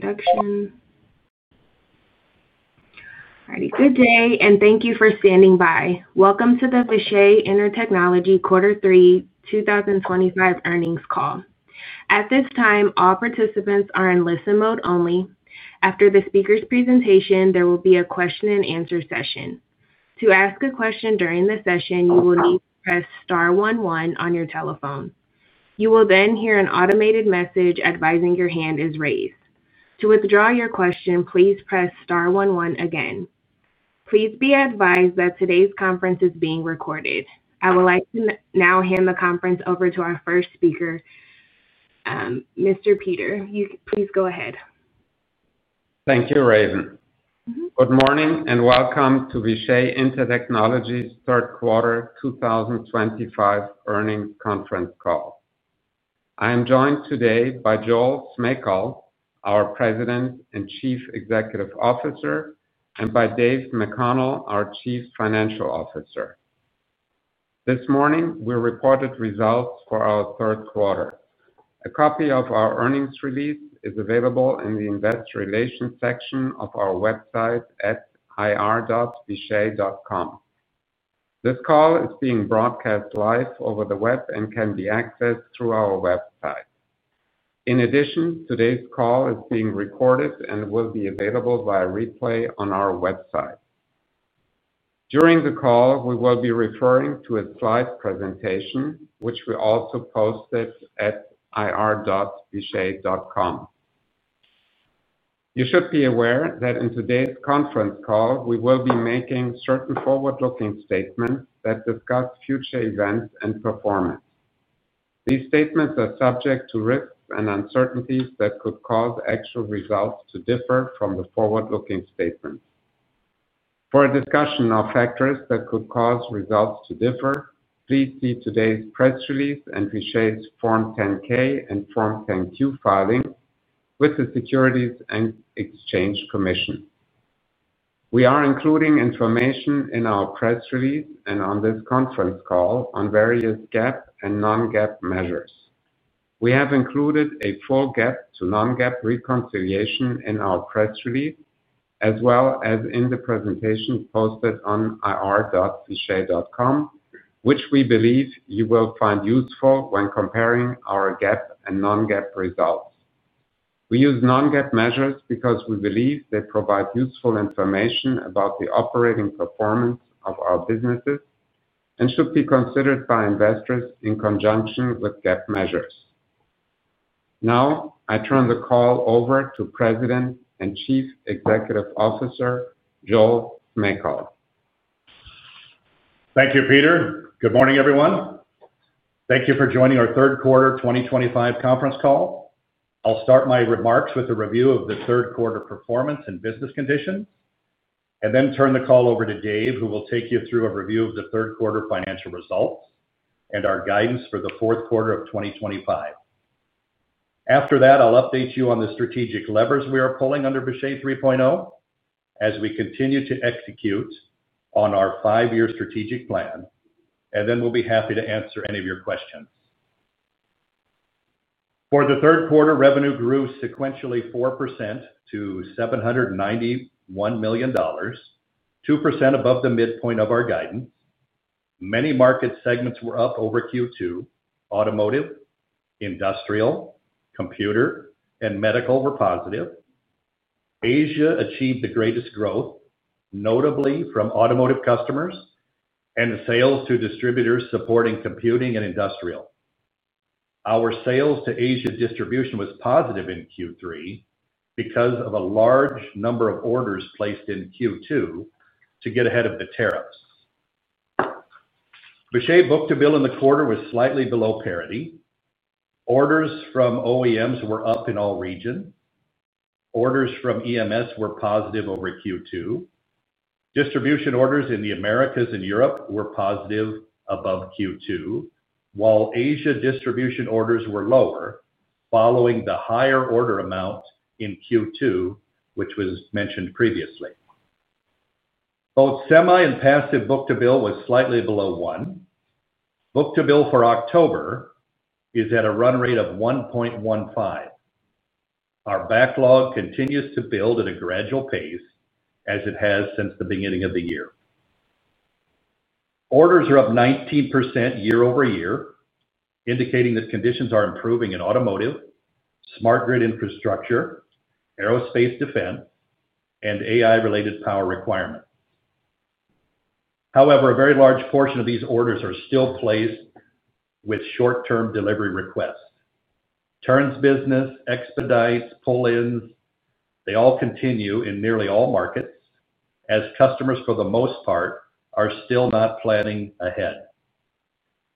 Good day, and thank you for standing by. Welcome to the Vishay Intertechnology Quarter 3 2025 earnings call. At this time, all participants are in listen mode only. After the speaker's presentation, there will be a question-and-answer session. To ask a question during the session, you will need to press star one one on your telephone. You will then hear an automated message advising your hand is raised. To withdraw your question, please press star one one again. Please be advised that today's conference is being recorded. I would like to now hand the conference over to our first speaker, Mr. Peter. Please go ahead. Thank you, Raven. Good morning and welcome to Vishay Intertechnology Third Quarter 2025 earnings conference call. I am joined today by Joel Smejkal, our President and Chief Executive Officer, and by Dave McConnell, our Chief Financial Officer. This morning, we reported results for our third quarter. A copy of our earnings release is available in the investor relations section of our website at hir.vishay.com. This call is being broadcast live over the web and can be accessed through our website. In addition, today's call is being recorded and will be available via replay on our website. During the call, we will be referring to a slide presentation, which we also posted at hir.vishay.com. You should be aware that in today's conference call, we will be making certain forward-looking statements that discuss future events and performance. These statements are subject to risks and uncertainties that could cause actual results to differ from the forward-looking statements. For a discussion of factors that could cause results to differ, please see today's press release and Vishay's Form 10-K and Form 10-Q filings with the Securities and Exchange Commission. We are including information in our press release and on this conference call on various GAAP and non-GAAP measures. We have included a full GAAP to non-GAAP reconciliation in our press release, as well as in the presentation posted on ir.vishay.com, which we believe you will find useful when comparing our GAAP and non-GAAP results. We use non-GAAP measures because we believe they provide useful information about the operating performance of our businesses and should be considered by investors in conjunction with GAAP measures. Now, I turn the call over to President and Chief Executive Officer Joel Smejkal. Thank you, Peter. Good morning, everyone. Thank you for joining our third quarter 2025 conference call. I'll start my remarks with a review of the third quarter performance and business conditions, and then turn the call over to Dave, who will take you through a review of the third quarter financial results and our guidance for the fourth quarter of 2025. After that, I'll update you on the strategic levers we are pulling under Vishay 3.0 as we continue to execute on our five-year strategic plan, and then we'll be happy to answer any of your questions. For the third quarter, revenue grew sequentially 4% to $791 million. 2% above the midpoint of our guidance. Many market segments were up over Q2. Automotive, industrial, computer, and medical were positive. Asia achieved the greatest growth, notably from automotive customers and sales to distributors supporting computing and industrial. Our sales to Asia distribution was positive in Q3 because of a large number of orders placed in Q2 to get ahead of the tariffs. Vishay book-to-bill in the quarter was slightly below parity. Orders from OEMs were up in all regions. Orders from EMS were positive over Q2. Distribution orders in the Americas and Europe were positive above Q2, while Asia distribution orders were lower following the higher order amount in Q2, which was mentioned previously. Both semi and passive book-to-bill was slightly below one. Book-to-bill for October is at a run rate of 1.15. Our backlog continues to build at a gradual pace as it has since the beginning of the year. Orders are up 19% year over year, indicating that conditions are improving in automotive, smart grid infrastructure, aerospace defense, and AI-related power requirements. However, a very large portion of these orders are still placed with short-term delivery requests. Turns business, expedites, pull-ins, they all continue in nearly all markets as customers, for the most part, are still not planning ahead.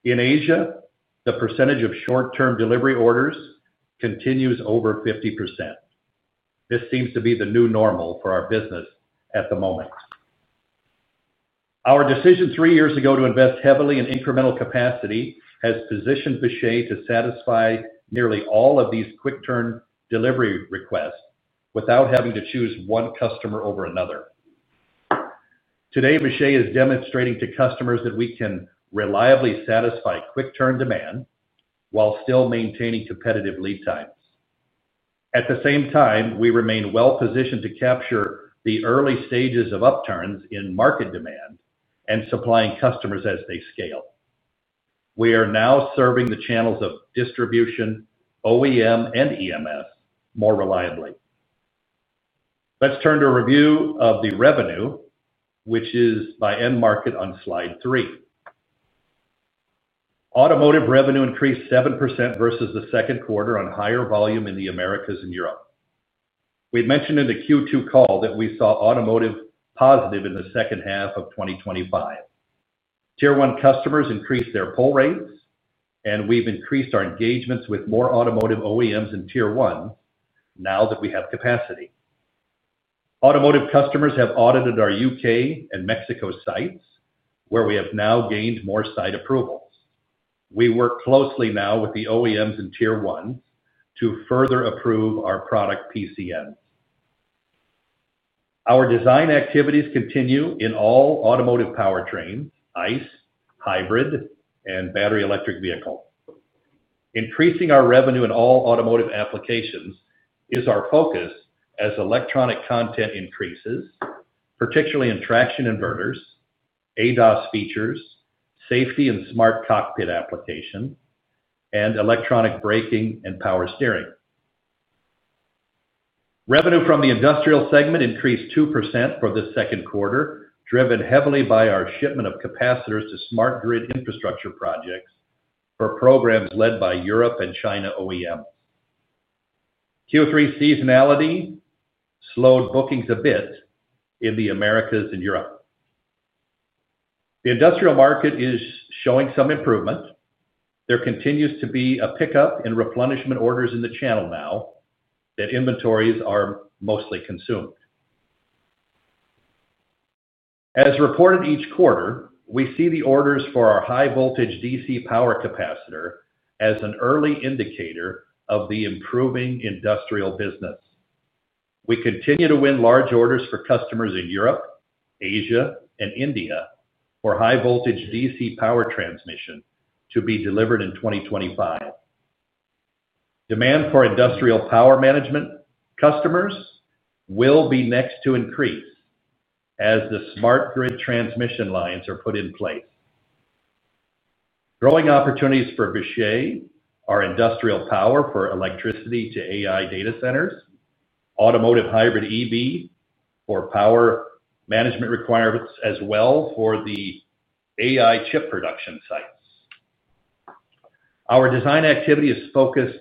In Asia, the percentage of short-term delivery orders continues over 50%. This seems to be the new normal for our business at the moment. Our decision three years ago to invest heavily in incremental capacity has positioned Vishay to satisfy nearly all of these quick-turn delivery requests without having to choose one customer over another. Today, Vishay is demonstrating to customers that we can reliably satisfy quick-turn demand while still maintaining competitive lead times. At the same time, we remain well-positioned to capture the early stages of upturns in market demand and supplying customers as they scale. We are now serving the channels of distribution, OEM, and EMS more reliably. Let's turn to a review of the revenue, which is by end market on slide 3. Automotive revenue increased 7% versus the second quarter on higher volume in the Americas and Europe. We had mentioned in the Q2 call that we saw automotive positive in the second half of 2025. Tier 1 customers increased their pull rates, and we've increased our engagements with more automotive OEMs in Tier 1 now that we have capacity. Automotive customers have audited our U.K. and Mexico sites, where we have now gained more site approvals. We work closely now with the OEMs in Tier 1 to further approve our product PCMs. Our design activities continue in all automotive powertrains: ICE, hybrid, and battery electric vehicles. Increasing our revenue in all automotive applications is our focus as electronic content increases, particularly in traction inverters, ADAS features, safety and smart cockpit application, and electronic braking and power steering. Revenue from the industrial segment increased 2% for this second quarter, driven heavily by our shipment of capacitors to smart grid infrastructure projects for programs led by Europe and China OEMs. Q3 seasonality slowed bookings a bit in the Americas and Europe. The industrial market is showing some improvement. There continues to be a pickup in replenishment orders in the channel now that inventories are mostly consumed. As reported each quarter, we see the orders for our high-voltage DC power capacitor as an early indicator of the improving industrial business. We continue to win large orders for customers in Europe, Asia, and India for high-voltage DC power transmission to be delivered in 2025. Demand for industrial power management customers will be next to increase as the smart grid transmission lines are put in place. Growing opportunities for Vishay are industrial power for electricity to AI data centers, automotive hybrid EV for power management requirements, as well for the AI chip production sites. Our design activity is focused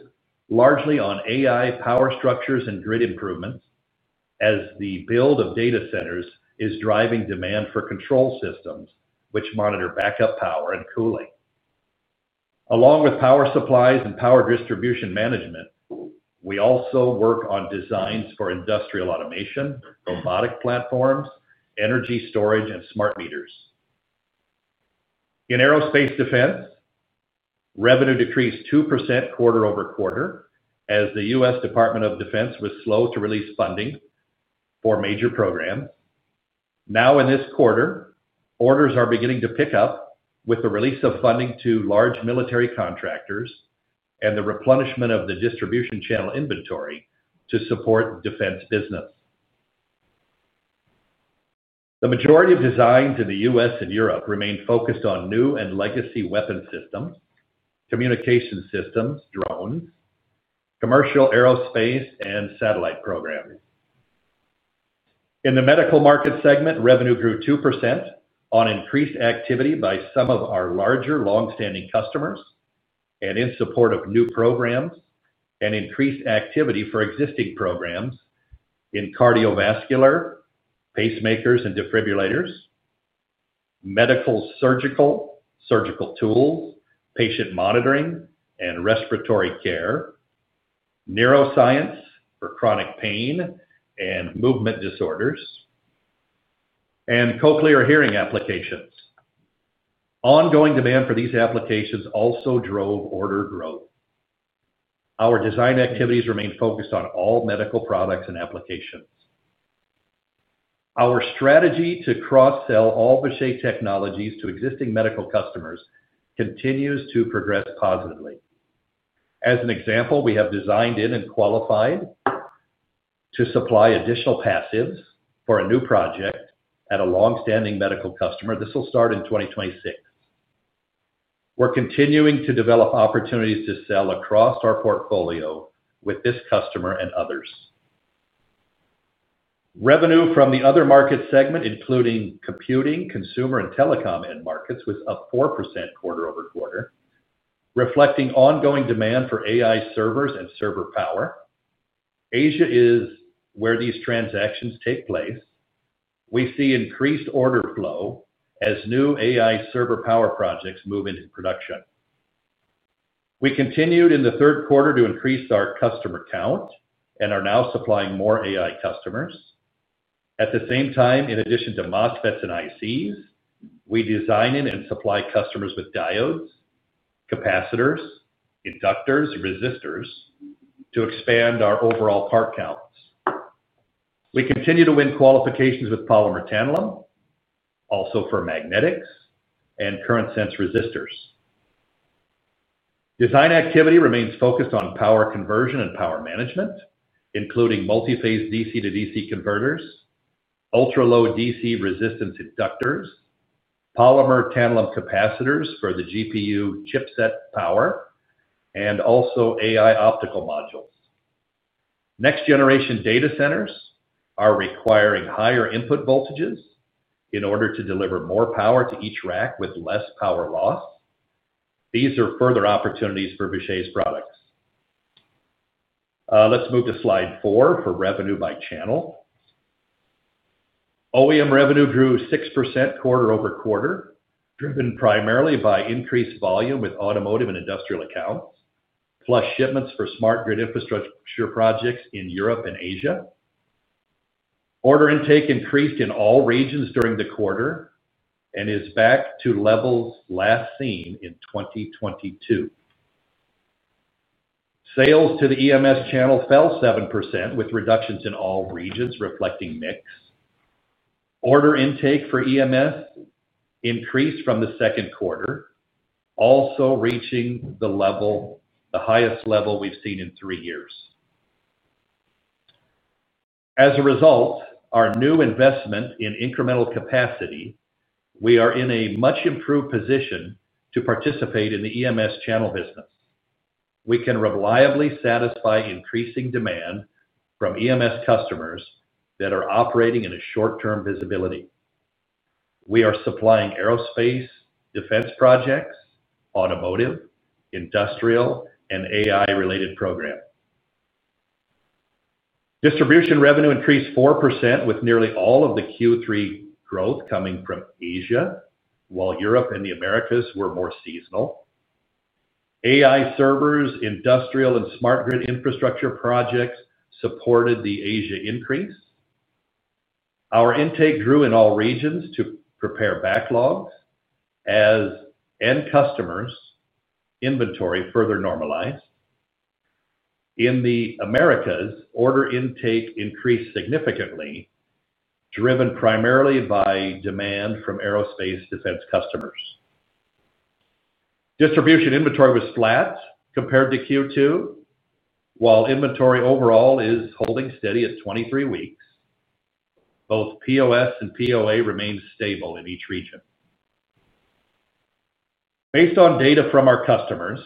largely on AI power structures and grid improvements as the build of data centers is driving demand for control systems, which monitor backup power and cooling. Along with power supplies and power distribution management, we also work on designs for industrial automation, robotic platforms, energy storage, and smart meters. In aerospace defense, revenue decreased 2% quarter over quarter as the U.S. Department of Defense was slow to release funding for major programs. Now, in this quarter, orders are beginning to pick up with the release of funding to large military contractors and the replenishment of the distribution channel inventory to support defense business. The majority of designs in the U.S. and Europe remain focused on new and legacy weapon systems, communication systems, drones, commercial aerospace, and satellite programs. In the medical market segment, revenue grew 2% on increased activity by some of our larger longstanding customers and in support of new programs and increased activity for existing programs in cardiovascular, pacemakers and defibrillators, medical surgical, surgical tools, patient monitoring, and respiratory care, neuroscience for chronic pain and movement disorders, and cochlear hearing applications. Ongoing demand for these applications also drove order growth. Our design activities remain focused on all medical products and applications. Our strategy to cross-sell all Vishay technologies to existing medical customers continues to progress positively. As an example, we have designed in and qualified to supply additional passives for a new project at a longstanding medical customer. This will start in 2026. We're continuing to develop opportunities to sell across our portfolio with this customer and others. Revenue from the other market segment, including computing, consumer, and telecom end markets, was up 4% quarter over quarter, reflecting ongoing demand for AI servers and server power. Asia is where these transactions take place. We see increased order flow as new AI server power projects move into production. We continued in the third quarter to increase our customer count and are now supplying more AI customers. At the same time, in addition to MOSFETs and ICs, we design in and supply customers with diodes, capacitors, inductors, and resistors to expand our overall part counts. We continue to win qualifications with polymer tantalum. Also for magnetics and current sense resistors. Design activity remains focused on power conversion and power management, including multi-phase DC to DC converters, ultra-low DC resistance inductors, polymer tantalum capacitors for the GPU chipset power, and also AI optical modules. Next-generation data centers are requiring higher input voltages in order to deliver more power to each rack with less power loss. These are further opportunities for Vishay's products. Let's move to slide four for revenue by channel. OEM revenue grew 6% quarter over quarter, driven primarily by increased volume with automotive and industrial accounts, plus shipments for smart grid infrastructure projects in Europe and Asia. Order intake increased in all regions during the quarter and is back to levels last seen in 2022. Sales to the EMS channel fell 7% with reductions in all regions, reflecting mix. Order intake for EMS increased from the second quarter. Also reaching the highest level we've seen in three years. As a result, our new investment in incremental capacity, we are in a much improved position to participate in the EMS channel business. We can reliably satisfy increasing demand from EMS customers that are operating in a short-term visibility. We are supplying aerospace, defense projects, automotive, industrial, and AI-related programs. Distribution revenue increased 4% with nearly all of the Q3 growth coming from Asia, while Europe and the Americas were more seasonal. AI servers, industrial, and smart grid infrastructure projects supported the Asia increase. Our intake grew in all regions to prepare backlogs as end customers' inventory further normalized. In the Americas, order intake increased significantly, driven primarily by demand from aerospace defense customers. Distribution inventory was flat compared to Q2. While inventory overall is holding steady at 23 weeks, both POS and POA remained stable in each region. Based on data from our customers,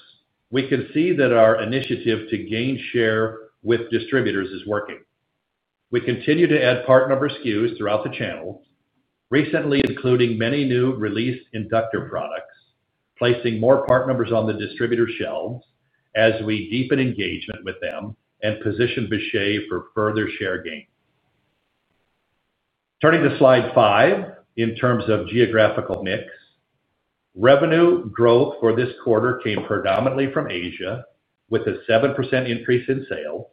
we can see that our initiative to gain share with distributors is working. We continue to add part number SKUs throughout the channel, recently including many new released inductor products, placing more part numbers on the distributor shelves as we deepen engagement with them and position Vishay for further share gain. Turning to slide five in terms of geographical mix. Revenue growth for this quarter came predominantly from Asia with a 7% increase in sales.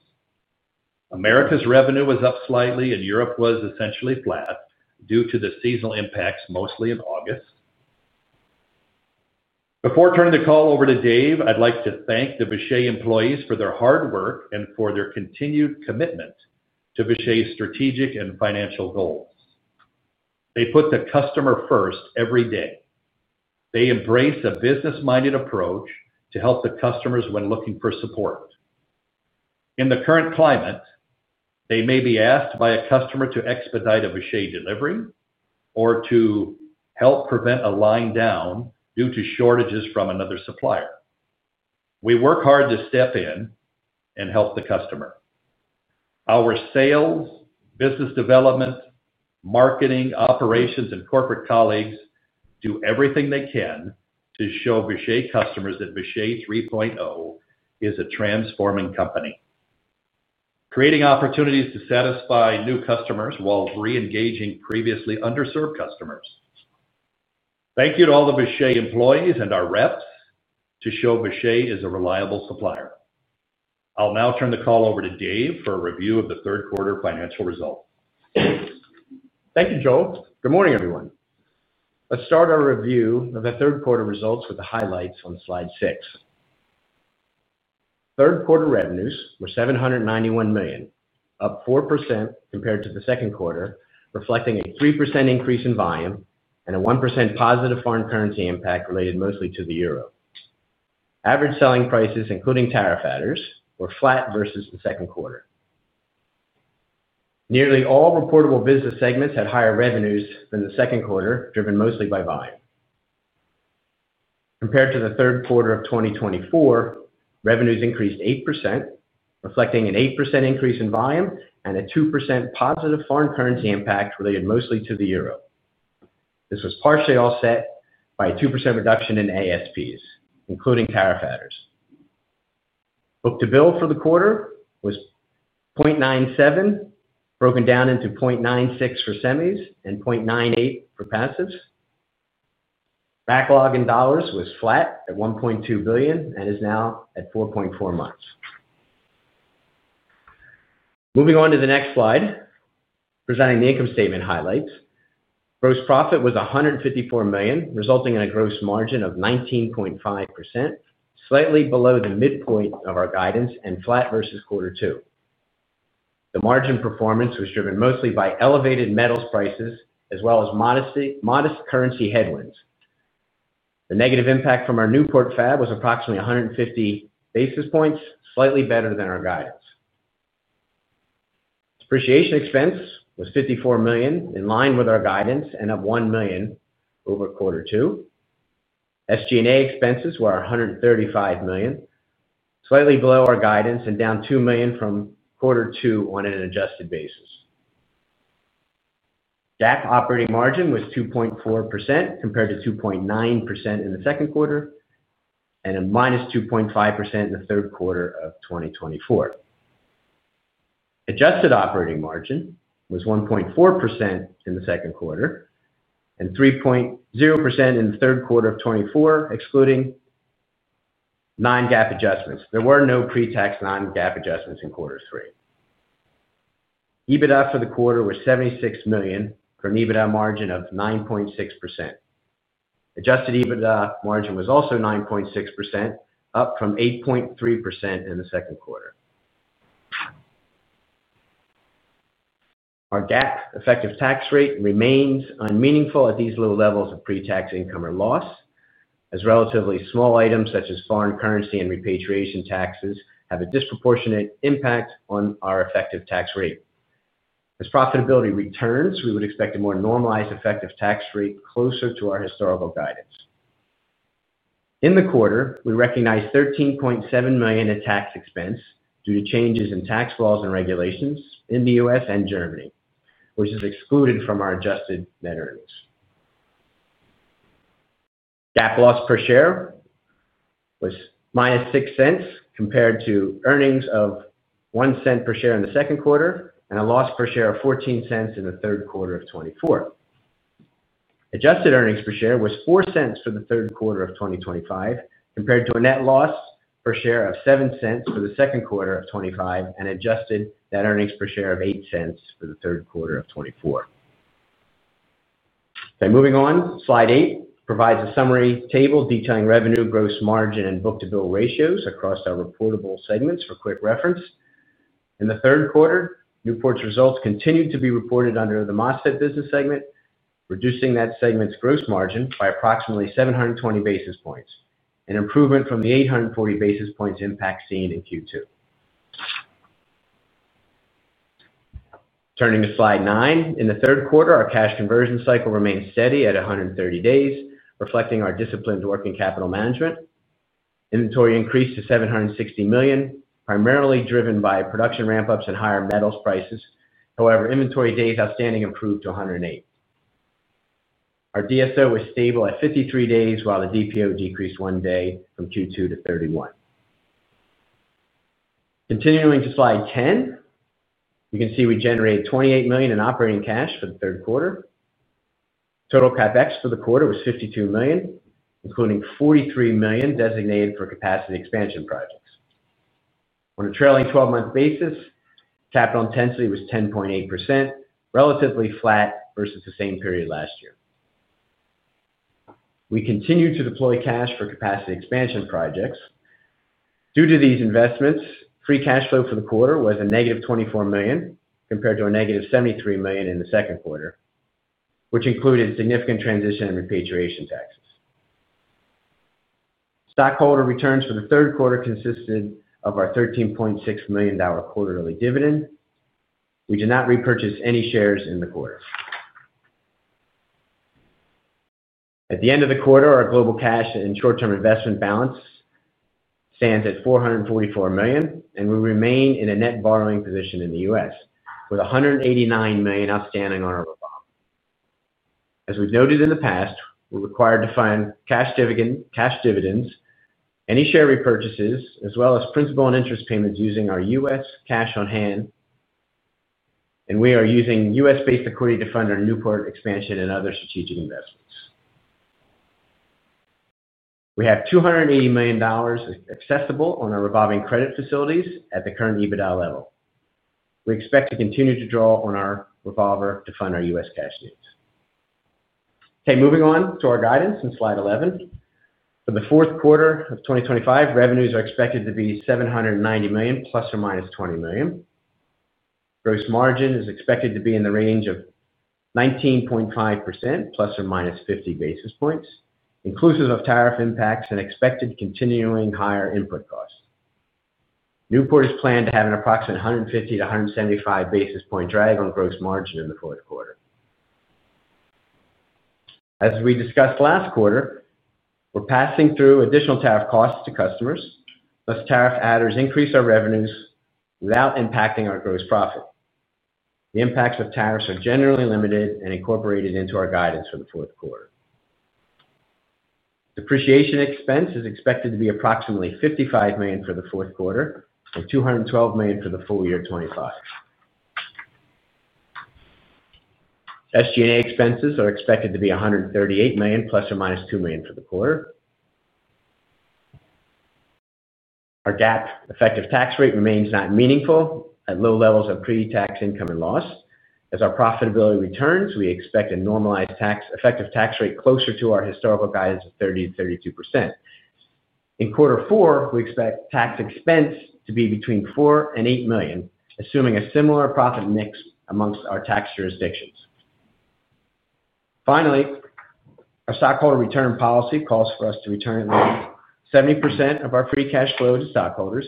Americas revenue was up slightly, and Europe was essentially flat due to the seasonal impacts, mostly in August. Before turning the call over to Dave, I'd like to thank the Vishay employees for their hard work and for their continued commitment to Vishay's strategic and financial goals. They put the customer first every day. They embrace a business-minded approach to help the customers when looking for support. In the current climate, they may be asked by a customer to expedite a Vishay delivery or to help prevent a line down due to shortages from another supplier. We work hard to step in and help the customer. Our sales, business development, marketing, operations, and corporate colleagues do everything they can to show Vishay customers that Vishay 3.0 is a transforming company, creating opportunities to satisfy new customers while re-engaging previously underserved customers. Thank you to all the Vishay employees and our reps to show Vishay is a reliable supplier. I'll now turn the call over to Dave for a review of the third quarter financial results. Thank you, Joel. Good morning, everyone. Let's start our review of the third quarter results with the highlights on slide six. Third quarter revenues were $791 million, up 4% compared to the second quarter, reflecting a 3% increase in volume and a 1% positive foreign currency impact related mostly to the euro. Average selling prices, including tariff adders, were flat versus the second quarter. Nearly all reportable business segments had higher revenues than the second quarter, driven mostly by volume. Compared to the third quarter of 2024, revenues increased 8%, reflecting an 8% increase in volume and a 2% positive foreign currency impact related mostly to the euro. This was partially offset by a 2% reduction in ASPs, including tariff adders. Book-to-bill for the quarter was 0.97, broken down into 0.96 for semis and 0.98 for passives. Backlog in dollars was flat at $1.2 billion and is now at 4.4 months. Moving on to the next slide, presenting the income statement highlights. Gross profit was $154 million, resulting in a gross margin of 19.5%, slightly below the midpoint of our guidance and flat versus quarter two. The margin performance was driven mostly by elevated metals prices as well as modest currency headwinds. The negative impact from our Newport Fab was approximately 150 basis points, slightly better than our guidance. Depreciation expense was $54 million, in line with our guidance and up $1 million over quarter two. SG&A expenses were $135 million, slightly below our guidance and down $2 million from quarter two on an adjusted basis. DAC operating margin was 2.4% compared to 2.9% in the second quarter. A -2.5% in the third quarter of 2024. Adjusted operating margin was 1.4% in the second quarter and 3.0% in the third quarter of 2024, excluding non-GAAP adjustments. There were no pre-tax non-GAAP adjustments in quarter 3. EBITDA for the quarter was $76 million for an EBITDA margin of 9.6%. Adjusted EBITDA margin was also 9.6%, up from 8.3% in the second quarter. Our GAAP effective tax rate remains unmeaningful at these low levels of pre-tax income or loss, as relatively small items such as foreign currency and repatriation taxes have a disproportionate impact on our effective tax rate. As profitability returns, we would expect a more normalized effective tax rate closer to our historical guidance. In the quarter, we recognize $13.7 million in tax expense due to changes in tax laws and regulations in the U.S. and Germany, which is excluded from our adjusted net earnings. GAAP loss per share was -$0.06 compared to earnings of $0.01 per share in the second quarter and a loss per share of $0.14 in the third quarter of 2024. Adjusted earnings per share was $0.04 for the third quarter of 2025 compared to a net loss per share of $0.07 for the second quarter of 2025 and adjusted net earnings per share of $0.08 for the third quarter of 2024. Okay, moving on, slide eight provides a summary table detailing revenue, gross margin, and book-to-bill ratios across our reportable segments for quick reference. In the third quarter, Newport's results continued to be reported under the MOSFET business segment, reducing that segment's gross margin by approximately 720 basis points, an improvement from the 840 basis points impact seen in the second quarter. Turning to slide nine, in the third quarter, our cash conversion cycle remained steady at 130 days, reflecting our disciplined work in capital management. Inventory increased to $760 million, primarily driven by production ramp-ups and higher metals prices. However, inventory days outstanding improved to 108. Our DSO was stable at 53 days, while the DPO decreased one day from Q2 to 31. Continuing to slide 10. You can see we generated $28 million in operating cash for the third quarter. Total CapEx for the quarter was $52 million, including $43 million designated for capacity expansion projects. On a trailing 12-month basis, capital intensity was 10.8%, relatively flat versus the same period last year. We continued to deploy cash for capacity expansion projects. Due to these investments, free cash flow for the quarter was a -$24 million compared to a -$73 million in the second quarter, which included significant transition and repatriation taxes. Stockholder returns for the third quarter consisted of our $13.6 million quarterly dividend. We did not repurchase any shares in the quarter. At the end of the quarter, our global cash and short-term investment balance. Stands at $444 million, and we remain in a net borrowing position in the U.S., with $189 million outstanding on our repository. As we've noted in the past, we're required to fund cash dividends, any share repurchases, as well as principal and interest payments using our U.S. cash on hand. We are using U.S.-based equity to fund our Newport expansion and other strategic investments. We have $280 million accessible on our revolving credit facilities at the current EBITDA level. We expect to continue to draw on our revolver to fund our U.S. cash needs. Moving on to our guidance in slide 11. For the fourth quarter of 2025, revenues are expected to be $790 million±$20 million. Gross margin is expected to be in the range of 19.5%±50 basis points, inclusive of tariff impacts and expected continuing higher input costs. Newport is planned to have an approximate 150 basis points-175 basis point drag on gross margin in the fourth quarter. As we discussed last quarter, we're passing through additional tariff costs to customers as tariff adders increase our revenues without impacting our gross profit. The impacts of tariffs are generally limited and incorporated into our guidance for the fourth quarter. Depreciation expense is expected to be approximately $55 million for the fourth quarter and $212 million for the full year 2025. SG&A expenses are expected to be $138 million±$2 million for the quarter. Our GAAP effective tax rate remains not meaningful at low levels of pre-tax income and loss. As our profitability returns, we expect a normalized effective tax rate closer to our historical guidance of 30%-32%. In quarter four, we expect tax expense to be between $4 million and $8 million, assuming a similar profit mix amongst our tax jurisdictions. Finally, our stockholder return policy calls for us to return at least 70% of our free cash flow to stockholders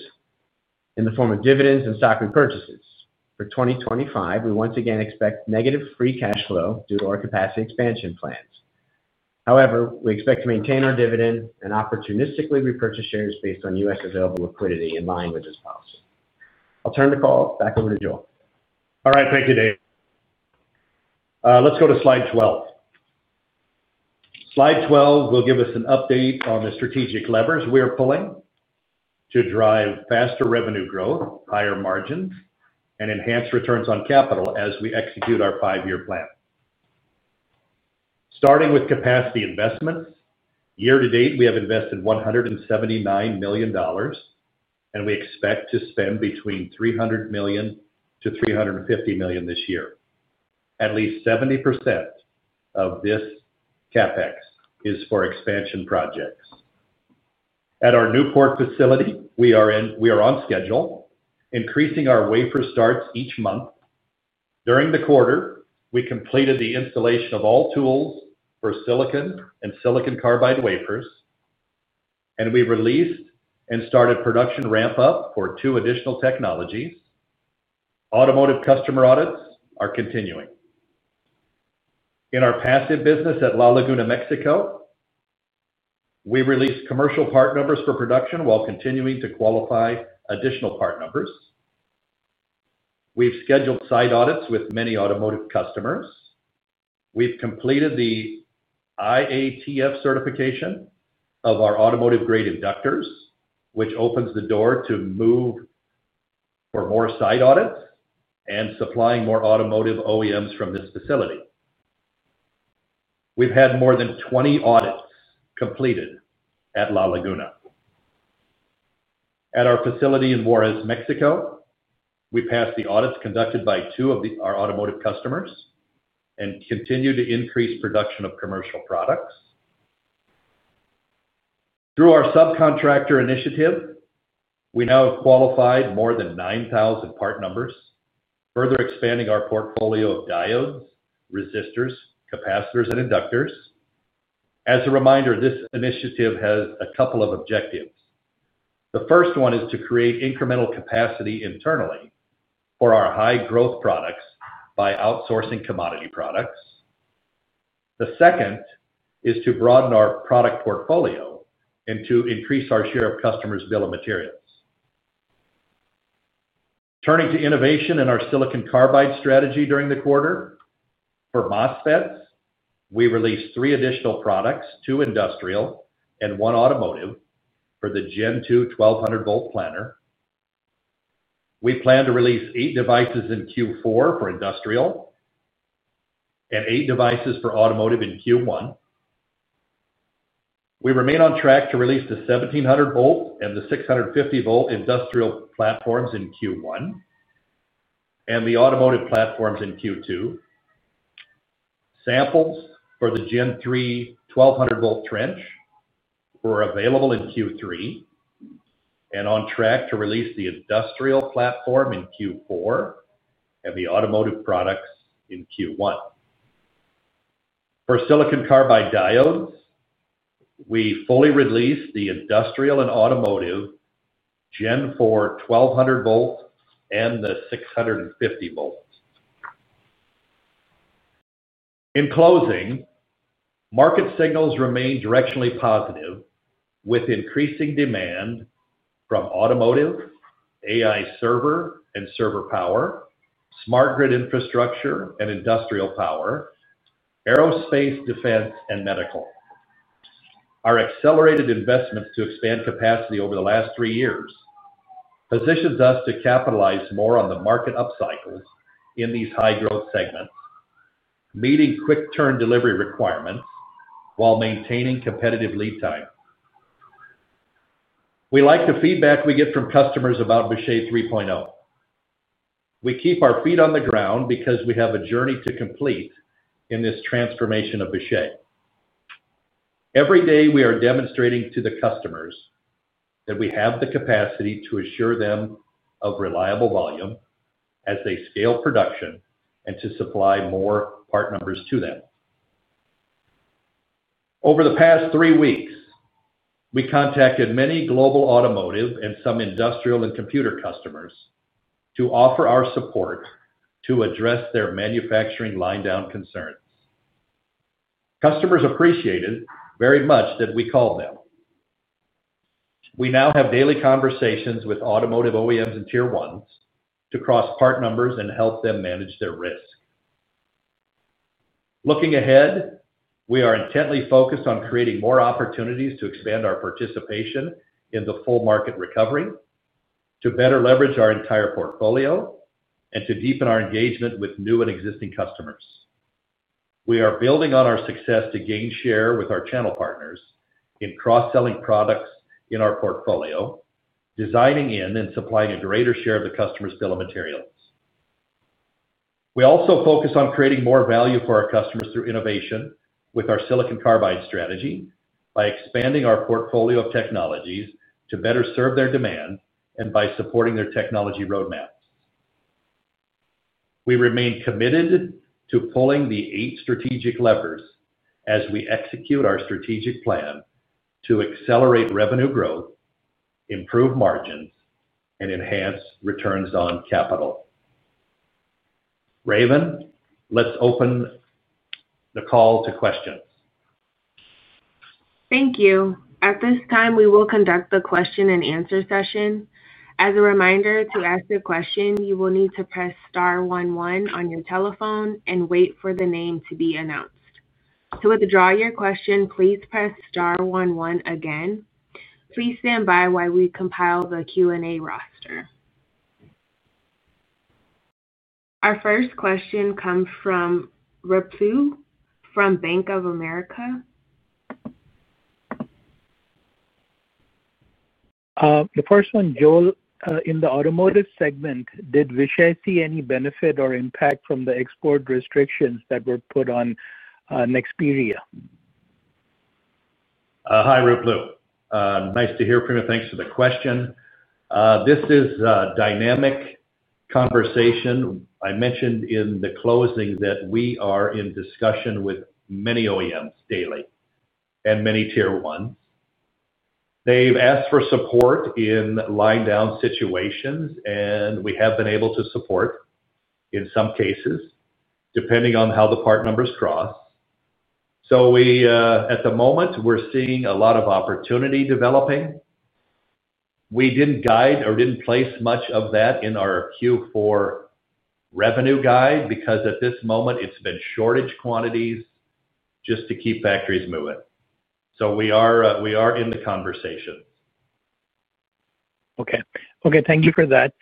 in the form of dividends and stock repurchases. For 2025, we once again expect negative free cash flow due to our capacity expansion plans. However, we expect to maintain our dividend and opportunistically repurchase shares based on U.S. available liquidity in line with this policy. I'll turn the call back over to Joel. All right, thank you, Dave. Let's go to slide 12. Slide 12 will give us an update on the strategic levers we are pulling to drive faster revenue growth, higher margins, and enhanced returns on capital as we execute our five-year plan. Starting with capacity investments, year to date, we have invested $179 million. We expect to spend between $300 million-$350 million this year. At least 70% of this CapEx is for expansion projects. At our Newport facility, we are on schedule, increasing our wafer starts each month. During the quarter, we completed the installation of all tools for silicon and silicon carbide wafers. We released and started production ramp-up for two additional technologies. Automotive customer audits are continuing. In our passive business at La Laguna, Mexico, we released commercial part numbers for production while continuing to qualify additional part numbers. We have scheduled site audits with many automotive customers. We have completed the IATF certification of our automotive-grade inductors, which opens the door to more site audits and supplying more automotive OEMs from this facility. We have had more than 20 audits completed at La Laguna. At our facility in Juarez, Mexico, we passed the audits conducted by two of our automotive customers and continue to increase production of commercial products. Through our subcontractor initiative, we now have qualified more than 9,000 part numbers, further expanding our portfolio of diodes, resistors, capacitors, and inductors. As a reminder, this initiative has a couple of objectives. The first one is to create incremental capacity internally for our high-growth products by outsourcing commodity products. The second is to broaden our product portfolio and to increase our share of customers' bill of materials. Turning to innovation in our silicon carbide strategy during the quarter, for MOSFETs, we released three additional products, two industrial and one automotive, for the Gen 2 1200 V planar. We plan to release eight devices in Q4 for industrial. And eight devices for automotive in Q1. We remain on track to release the 1700 V and the 650 V industrial platforms in Q1. The automotive platforms are in Q2. Samples for the Gen 3 1200 V trench were available in Q3 and on track to release the industrial platform in Q4 and the automotive products in Q1. For silicon carbide diodes, we fully released the industrial and automotive Gen 4 1200 V and the 650 V. In closing, market signals remain directionally positive, with increasing demand from automotive, AI server and server power, smart grid infrastructure and industrial power, aerospace, defense, and medical. Our accelerated investments to expand capacity over the last three years position us to capitalize more on the market upcycles in these high-growth segments, meeting quick-turn delivery requirements while maintaining competitive lead time. We like the feedback we get from customers about Vishay 3.0. We keep our feet on the ground because we have a journey to complete in this transformation of Vishay. Every day, we are demonstrating to the customers that we have the capacity to assure them of reliable volume as they scale production and to supply more part numbers to them. Over the past three weeks, we contacted many global automotive and some industrial and computer customers to offer our support to address their manufacturing line down concerns. Customers appreciated very much that we called them. We now have daily conversations with automotive OEMs and tier ones to cross part numbers and help them manage their risk. Looking ahead, we are intently focused on creating more opportunities to expand our participation in the full market recovery, to better leverage our entire portfolio, and to deepen our engagement with new and existing customers. We are building on our success to gain share with our channel partners in cross-selling products in our portfolio, designing in and supplying a greater share of the customer's bill of materials. We also focus on creating more value for our customers through innovation with our silicon carbide strategy by expanding our portfolio of technologies to better serve their demand and by supporting their technology roadmaps. We remain committed to pulling the eight strategic levers as we execute our strategic plan to accelerate revenue growth, improve margins, and enhance returns on capital. Raven, let's open the call to questions. Thank you. At this time, we will conduct the question-and-answer session. As a reminder, to ask a question, you will need to press star one one on your telephone and wait for the name to be announced. To withdraw your question, please press star one one again. Please stand by while we compile the Q&A roster. Our first question comes from Ripple from Bank of America. The first one, Joel. In the automotive segment, did Vishay see any benefit or impact from the export restrictions that were put on Nexperia? Hi, Ripple. Nice to hear from you. Thanks for the question. This is a dynamic conversation. I mentioned in the closing that we are in discussion with many OEMs daily and many tier ones. They've asked for support in line down situations, and we have been able to support. In some cases, depending on how the part numbers cross. At the moment, we're seeing a lot of opportunity developing. We did not guide or did not place much of that in our Q4 revenue guide because at this moment, it's been shortage quantities just to keep factories moving. We are in the conversation. Okay. Okay. Thank you for that.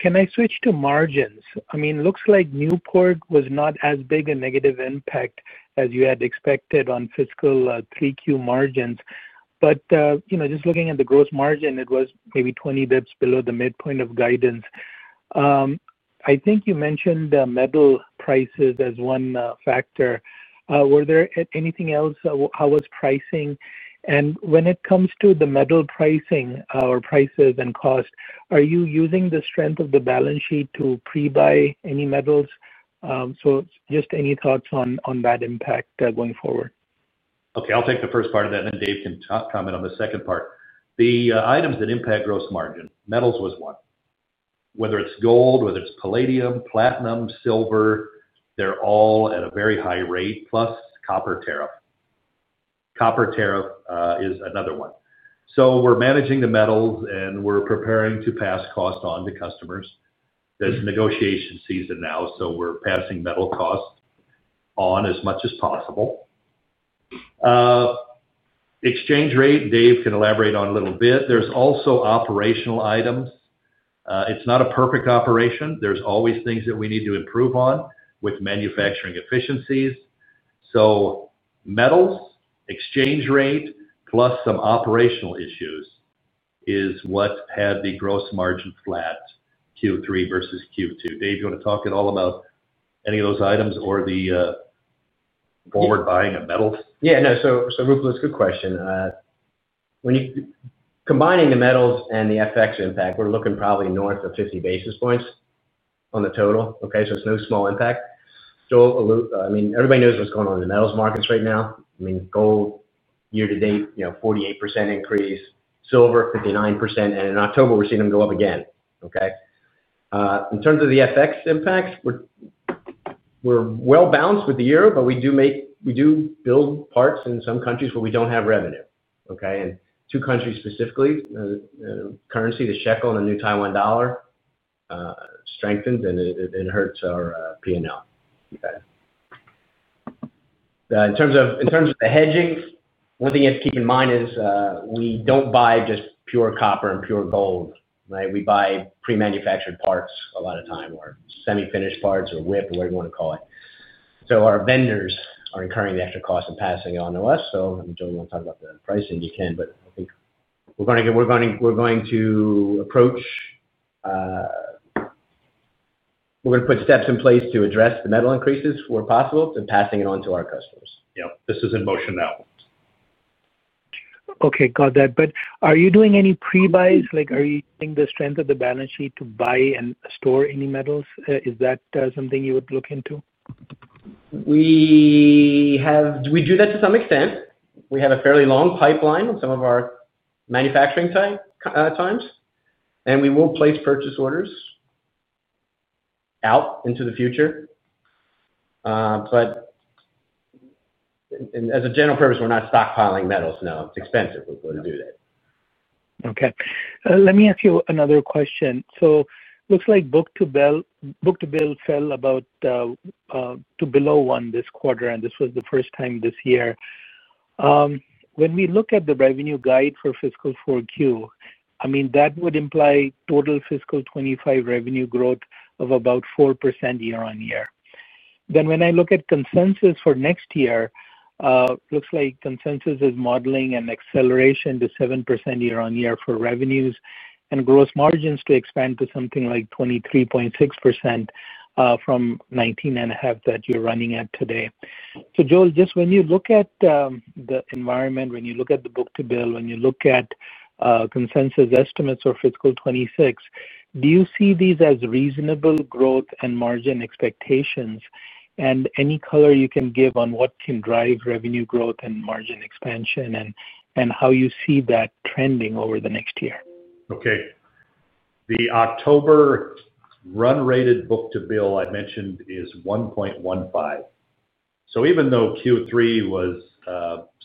Can I switch to margins? I mean, it looks like Newport was not as big a negative impact as you had expected on fiscal 3Q margins. But just looking at the gross margin, it was maybe 20 basis points below the midpoint of guidance. I think you mentioned metal prices as one factor. Were there anything else? How was pricing? And when it comes to the metal pricing or prices and cost, are you using the strength of the balance sheet to pre-buy any metals? Just any thoughts on that impact going forward? Okay. I'll take the first part of that, and then Dave can comment on the second part. The items that impact gross margin, metals was one. Whether it is gold, whether it is palladium, platinum, silver, they are all at a very high rate, plus copper tariff. Copper tariff is another one. We're managing the metals, and we're preparing to pass cost on to customers. There's negotiation season now, so we're passing metal costs on as much as possible. Exchange rate, Dave can elaborate on a little bit. There's also operational items. It's not a perfect operation. There's always things that we need to improve on with manufacturing efficiencies. Metals, exchange rate, plus some operational issues is what had the gross margin flat Q3 versus Q2. Dave, do you want to talk at all about any of those items or the forward buying of metals? Yeah. No. So Ripple, that's a good question. Combining the metals and the FX impact, we're looking probably north of 50 basis points on the total. Okay? It's no small impact. I mean, everybody knows what's going on in the metals markets right now. I mean, gold, year to date, 48% increase. Silver, 59%. In October, we're seeing them go up again. Okay? In terms of the FX impacts, we're well-balanced with the year, but we do build parts in some countries where we do not have revenue. Okay? In two countries specifically, currency, the shekel and the new Taiwan dollar, strengthens, and it hurts our P&L. Okay? In terms of the hedging, one thing you have to keep in mind is we do not buy just pure copper and pure gold. Right? We buy pre-manufactured parts a lot of the time, or semi-finished parts, or WIP, or whatever you want to call it. Our vendors are incurring the extra cost and passing it on to us. If Joel wants to talk about the pricing, you can, but I think we are going to approach, we are going to put steps in place to address the metal increases where possible and pass it on to our customers. Yep. This is in motion now. Okay. Got that. Are you doing any pre-buys? Are you using the strength of the balance sheet to buy and store any metals? Is that something you would look into? We do that to some extent. We have a fairly long pipeline on some of our manufacturing times. We will place purchase orders out into the future. As a general purpose, we're not stockpiling metals. No. It's expensive. We're not going to do that. Okay. Let me ask you another question. It looks like book-to-bill fell to below one this quarter, and this was the first time this year. When we look at the revenue guide for fiscal 4Q, I mean, that would imply total fiscal 2025 revenue growth of about 4% year-on-year. When I look at consensus for next year, it looks like consensus is modeling an acceleration to 7% year-on-year for revenues and gross margins to expand to something like 23.6% from 19.5% that you're running at today. Joel, just when you look at the environment, when you look at the book-to-bill, when you look at consensus estimates for fiscal 2026, do you see these as reasonable growth and margin expectations? Any color you can give on what can drive revenue growth and margin expansion and how you see that trending over the next year? The October run-rated book-to-bill I mentioned is 1.15. Even though Q3 was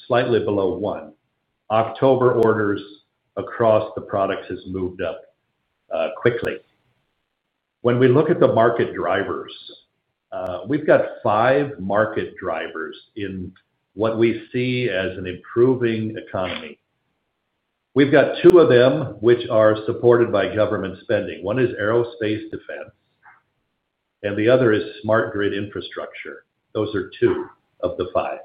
slightly below one, October orders across the products have moved up quickly. When we look at the market drivers, we've got five market drivers in what we see as an improving economy. We've got two of them which are supported by government spending. One is aerospace defense. The other is smart grid infrastructure. Those are two of the five.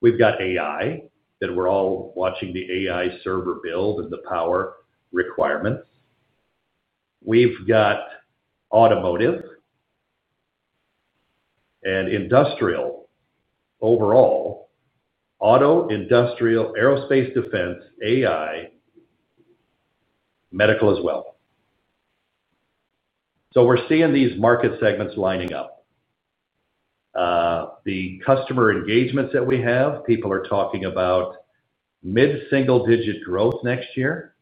We've got AI, that we're all watching the AI server build and the power requirements. We've got automotive and industrial. Overall, auto, industrial, aerospace defense, AI, medical as well. We are seeing these market segments lining up. The customer engagements that we have, people are talking about mid-single-digit growth next year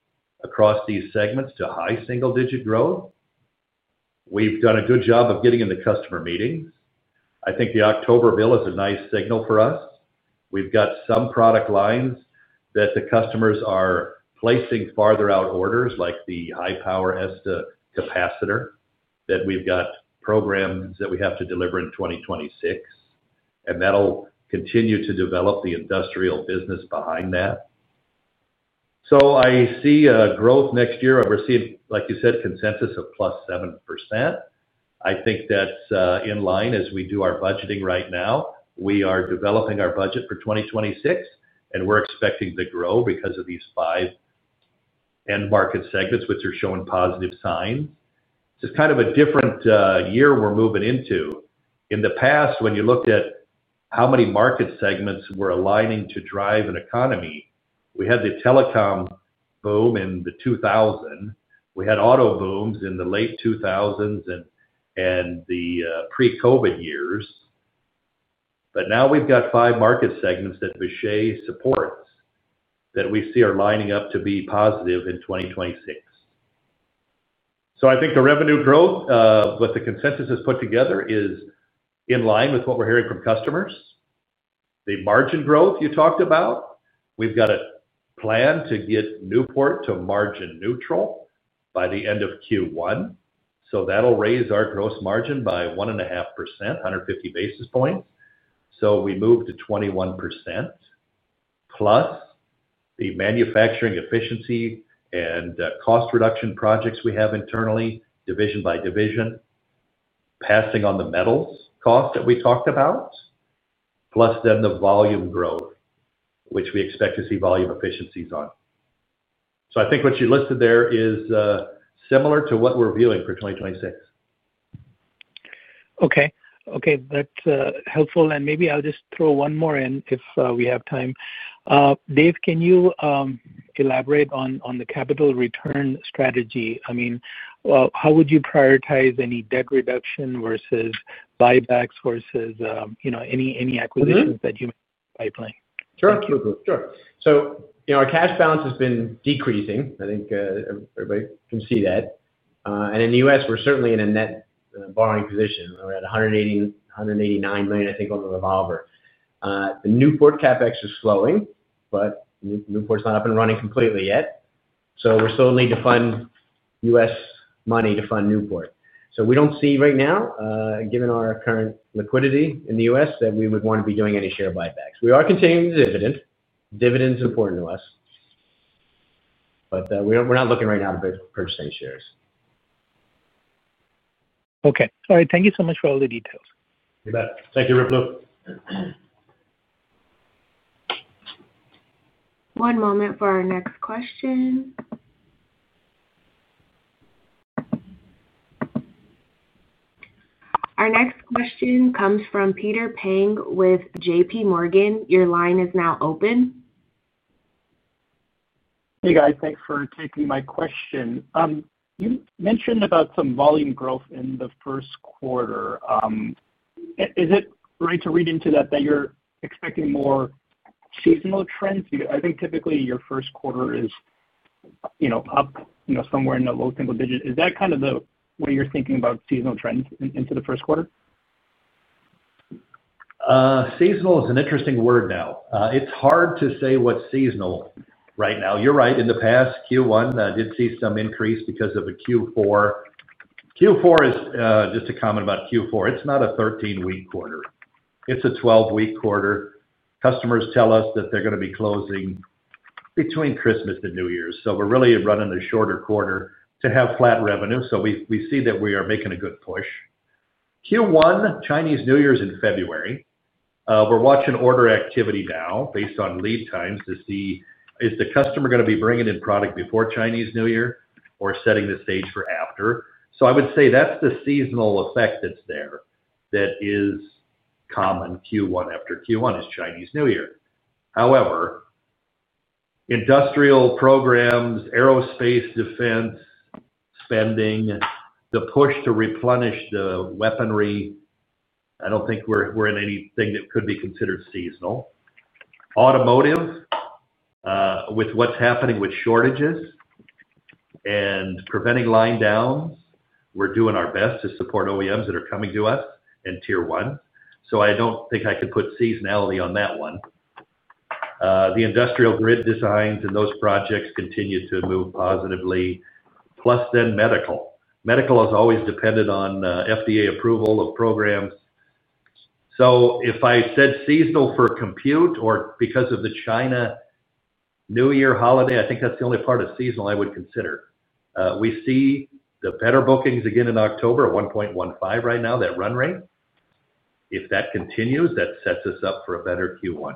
across these segments to high single-digit growth. We've done a good job of getting in the customer meetings. I think the October bill is a nice signal for us. We've got some product lines that the customers are placing farther out orders, like the high-power ESTA capacitor that we've got programmed that we have to deliver in 2026. That will continue to develop the industrial business behind that. I see a growth next year. We're seeing, like you said, consensus of +7%. I think that's in line as we do our budgeting right now. We are developing our budget for 2026, and we're expecting to grow because of these five end market segments which are showing positive signs. It's just kind of a different year we're moving into. In the past, when you looked at how many market segments were aligning to drive an economy, we had the telecom boom in the 2000. We had auto booms in the late 2000s and the pre-COVID years. Now we've got five market segments that Vishay supports that we see are lining up to be positive in 2026. I think the revenue growth, what the consensus has put together, is in line with what we're hearing from customers. The margin growth you talked about, we've got a plan to get Newport to margin neutral by the end of Q1. That will raise our gross margin by 1.5%, 150 basis points. We moved to 21%. Plus the manufacturing efficiency and cost reduction projects we have internally, division by division. Passing on the metals cost that we talked about. Plus the volume growth, which we expect to see volume efficiencies on. I think what you listed there is similar to what we're viewing for 2026. Okay. Okay. That's helpful. Maybe I'll just throw one more in if we have time. Dave, can you elaborate on the capital return strategy? I mean, how would you prioritize any debt reduction versus buybacks versus any acquisitions that you may be pipelining? Sure. Absolutely. Our cash balance has been decreasing. I think everybody can see that. In the U.S., we're certainly in a net borrowing position. We're at $189 million, I think, on the revolver. The Newport CapEx is slowing, but Newport's not up and running completely yet. We're still needing to fund U.S. money to fund Newport. We don't see right now, given our current liquidity in the U.S., that we would want to be doing any share buybacks. We are continuing the dividend. Dividend's important to us. We're not looking right now to purchase any shares. Okay. All right. Thank you so much for all the details. You bet. Thank you, Ripple. One moment for our next question. Our next question comes from Peter Peng with JPMorgan. Your line is now open. Hey, guys. Thanks for taking my question. You mentioned about some volume growth in the first quarter. Is it right to read into that that you're expecting more. Seasonal trends? I think typically your first quarter is up somewhere in the low single digit. Is that kind of the way you're thinking about seasonal trends into the first quarter? Seasonal is an interesting word now. It's hard to say what's seasonal right now. You're right. In the past, Q1, I did see some increase because of a Q4. Q4 is just a comment about Q4. It's not a 13-week quarter. It's a 12-week quarter. Customers tell us that they're going to be closing between Christmas and New Year's. So we're really running a shorter quarter to have flat revenue. We see that we are making a good push. Q1, Chinese New Year's in February. We're watching order activity now based on lead times to see if the customer is going to be bringing in product before Chinese New Year or setting the stage for after. I would say that's the seasonal effect that's there. That is common Q1 after Q1 is Chinese New Year. However, industrial programs, aerospace defense, spending, the push to replenish the weaponry, I don't think we're in anything that could be considered seasonal. Automotive, with what's happening with shortages and preventing line downs, we're doing our best to support OEMs that are coming to us and tier one. I don't think I could put seasonality on that one. The industrial grid designs and those projects continue to move positively. Plus then medical. Medical has always depended on FDA approval of programs. If I said seasonal for compute or because of the China New Year holiday, I think that's the only part of seasonal I would consider. We see the better bookings again in October at 1.15 right now, that run rate. If that continues, that sets us up for a better Q1.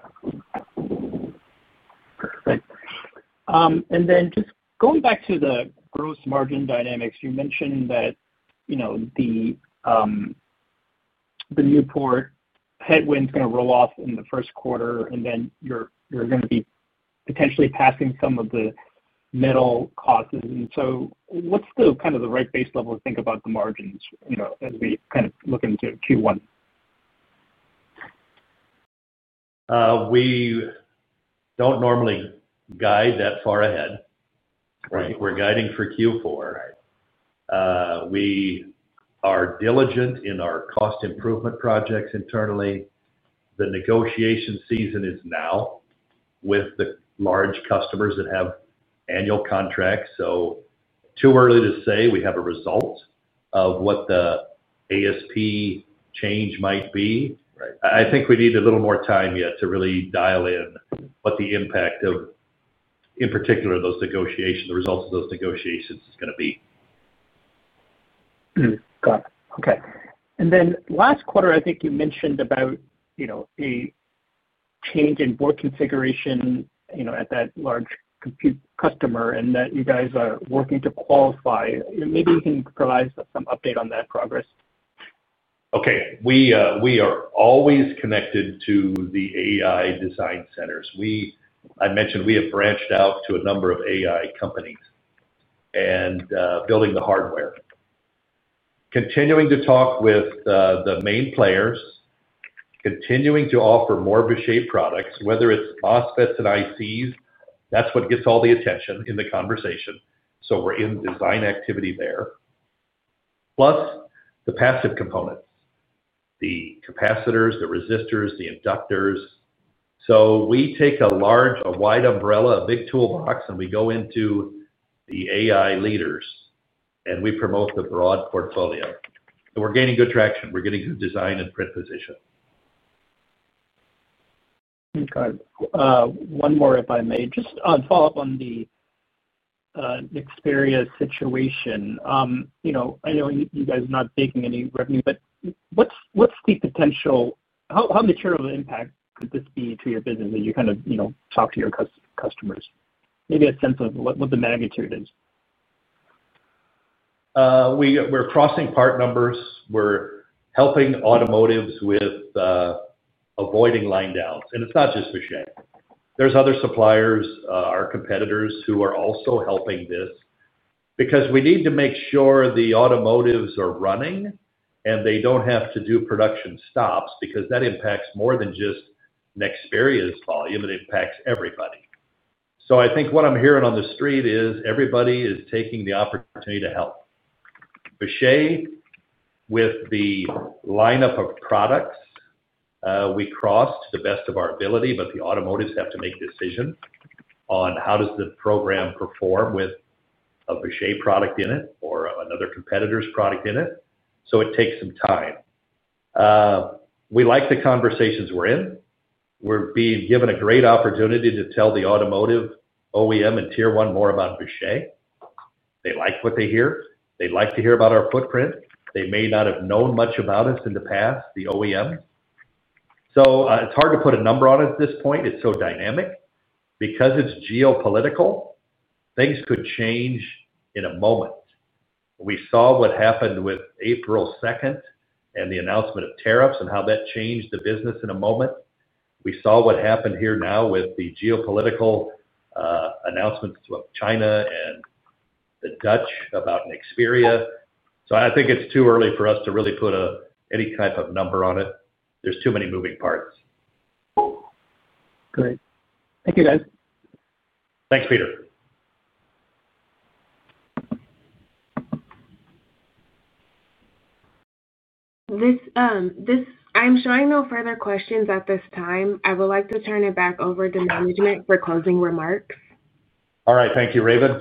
Perfect. And then just going back to the gross margin dynamics, you mentioned that the Newport headwind is going to roll off in the first quarter, and then you're going to be potentially passing some of the metal costs. So what's kind of the right base level to think about the margins as we kind of look into Q1? We don't normally guide that far ahead. We're guiding for Q4. We are diligent in our cost improvement projects internally. The negotiation season is now with the large customers that have annual contracts. So too early to say we have a result of what the ASP change might be. I think we need a little more time yet to really dial in what the impact of, in particular, the results of those negotiations is going to be. Got it. Okay. Last quarter, I think you mentioned about a change in board configuration at that large compute customer and that you guys are working to qualify. Maybe you can provide us some update on that progress. Okay. We are always connected to the AI design centers. I mentioned we have branched out to a number of AI companies and building the hardware. Continuing to talk with the main players. Continuing to offer more Vishay products, whether it's MOSFETs and ICs, that's what gets all the attention in the conversation. We are in design activity there. Plus the passive components, the capacitors, the resistors, the inductors. We take a large wide umbrella, a big toolbox, and we go into the AI leaders, and we promote the broad portfolio. We are gaining good traction. We are getting good design and print position. Got it. One more, if I may, just a follow-up on the Nexperia situation. I know you guys are not making any revenue, but what's the potential? How material of impact could this be to your business as you kind of talk to your customers? Maybe a sense of what the magnitude is. We're crossing part numbers. We're helping automotives with avoiding line downs. And it's not just Vishay. There are other suppliers, our competitors, who are also helping this because we need to make sure the automotives are running and they do not have to do production stops because that impacts more than just Nexperia's volume. It impacts everybody. I think what I'm hearing on the street is everybody is taking the opportunity to help Vishay with the lineup of products. We crossed to the best of our ability, but the automotives have to make a decision. On how does the program perform with a Vishay product in it or another competitor's product in it. It takes some time. We like the conversations we're in. We're being given a great opportunity to tell the automotive OEM and tier one more about Vishay. They like what they hear. They'd like to hear about our footprint. They may not have known much about us in the past, the OEMs. It's hard to put a number on it at this point. It's so dynamic. Because it's geopolitical, things could change in a moment. We saw what happened with April 2nd and the announcement of tariffs and how that changed the business in a moment. We saw what happened here now with the geopolitical announcements from China and the Dutch about Nexperia. I think it's too early for us to really put any type of number on it. There's too many moving parts. Great. Thank you, guys. Thanks, Peter. I'm showing no further questions at this time. I would like to turn it back over to management for closing remarks. All right. Thank you, Raven.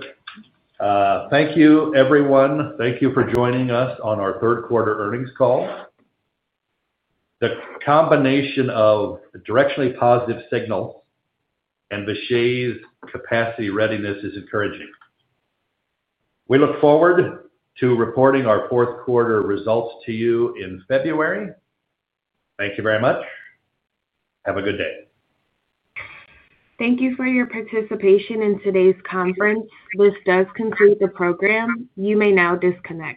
Thank you, everyone. Thank you for joining us on our third-quarter earnings call. The combination of directionally positive signals and Vishay's capacity readiness is encouraging. We look forward to reporting our fourth-quarter results to you in February. Thank you very much. Have a good day. Thank you for your participation in today's conference. This does conclude the program. You may now disconnect.